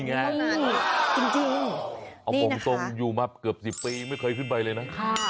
จริงเอาบอกตรงอยู่มาเกือบ๑๐ปีไม่เคยขึ้นไปเลยนะ